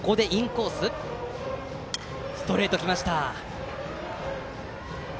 ストレート来ました。